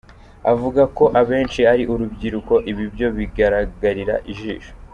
Avuga ko abenshi ari urubyiruko-ibi byo bigaragarira ijisho.